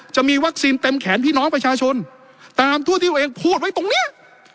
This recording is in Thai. จะมีวัคซีนเต็มแขนพี่น้องประชาชนตามทั่วที่ตัวเองพูดไว้ตรงเนี้ย